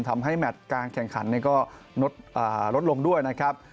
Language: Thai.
ทำให้แมทการแข่งขันก็ลดลงด้วยนะครับ